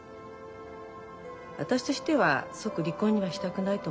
私としては即離婚にはしたくないと思ってる。